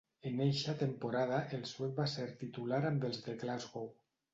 En eixa temporada, el suec va ser titular amb els de Glasgow.